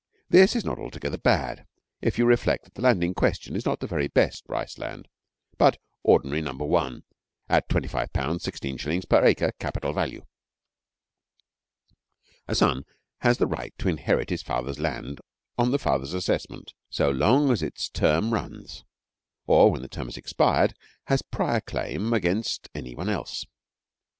This is not altogether bad if you reflect that the land in question is not the very best rice land, but ordinary No. 1, at £25:16s. per acre, capital value. A son has the right to inherit his father's land on the father's assessment, so long as its term runs, or, when the term has expired, has a prior claim as against any one else.